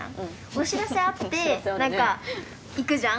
お知らせあって何か行くじゃん。